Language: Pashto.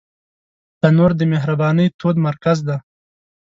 تنور د مهربانۍ تود مرکز دی